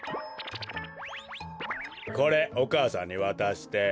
これお母さんにわたして。